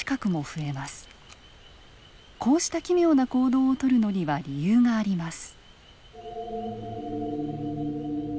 こうした奇妙な行動をとるのには理由があります。